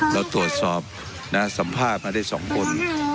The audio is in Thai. เราตรวจสอบสัมภาษณ์มาทั้งสองคน